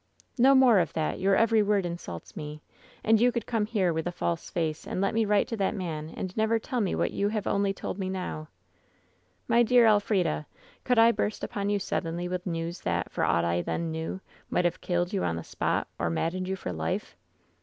" 'No more of that! Your every word insults me I 199 WHEN SHADOWS DIE And you could come here with a false face and let write to that man and never tell me what you have only told me now !'" ^My dear Elf rida ! Could I burst upon you sud denly with news that, for aught I then knew, might have killed you on the spot, or maddened you for life